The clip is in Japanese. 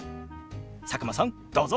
佐久間さんどうぞ！